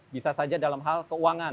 bisa saja dalam hal keuangan